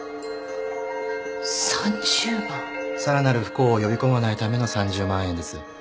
さらなる不幸を呼び込まないための３０万円です。